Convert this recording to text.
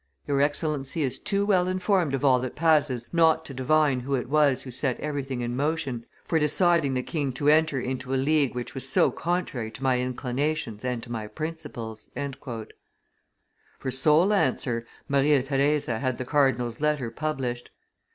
Your Excellency is too well informed of all that passes not to divine who it was who set everything in motion for deciding the king to enter into a league which was so contrary to my inclinations and to my principles." For sole answer, Maria Theresa had the cardinal's letter published.